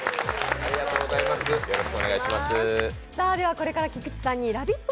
これから菊池さんに「ラヴィット！」